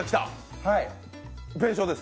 弁償です。